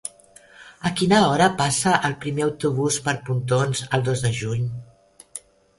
A quina hora passa el primer autobús per Pontons el dos de juny?